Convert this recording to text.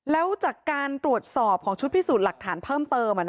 แล้วจากการตรวจสอบของชุดพิสูจน์หลักฐานเพิ่มเติม